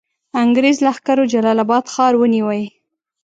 انګرېز لښکرو جلال آباد ښار ونیوی.